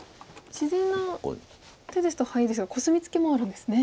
自然な手ですとハイですがコスミツケもあるんですね。